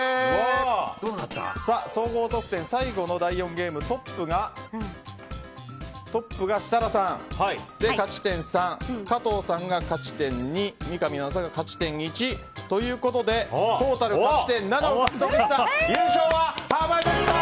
総合得点、最後の第４ゲームトップが設楽さんで勝ち点３加藤さんが勝ち点２三上アナウンサーが勝ち点１ということでトータル勝ち点７を獲得した優勝は濱口さん！